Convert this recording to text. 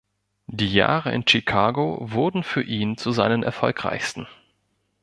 Die Jahre in Chicago wurden für ihn zu seinen erfolgreichsten.